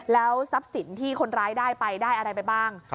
แล้วทรัพย์สินที่คนร้ายได้ไปได้อะไรไปบ้าง